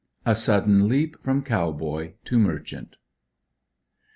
A SUDDEN LEAP FROM COW BOY TO MERCHANT.